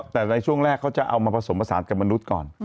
แต่ในช่วงแรกเขาจะเอามาผสมผสานกับมนุษย์ก่อน